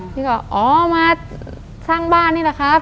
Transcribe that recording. พี่ก็อ๋อมาสร้างบ้านนี่แหละครับ